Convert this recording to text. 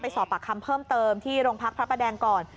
สอบปากคำเพิ่มเติมที่โรงพักพระประแดงก่อน